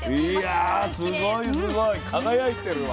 いやすごいすごい輝いてるわ。